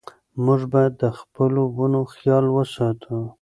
موږ باید د خپلو ونو خیال وساتو.